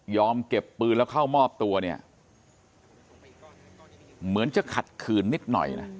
เก็บปืนแล้วเข้ามอบตัวเนี่ยเหมือนจะขัดขืนนิดหน่อยนะ